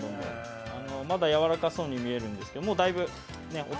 まだやわらかそうに見えるんですけど。